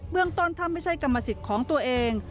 เมืองต้นถ้าไม่ใช่กรรมสิทธิ์ของตัวเอง